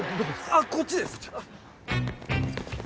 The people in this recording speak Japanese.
あっこっちです！